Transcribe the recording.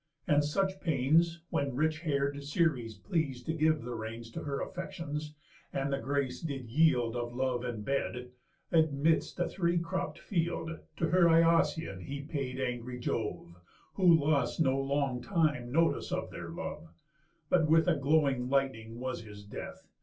And such pains, When rich hair'd Ceres pleas'd to give the reins To her affections, and the grace did yield Of love and bed, amidst a three cropp'd field, To her Iasion, he paid angry Jove, Who lost no long time notice of their love, But with a glowing lightning was his death.